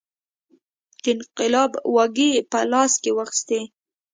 د انقلاب واګې په لاس کې واخیستې.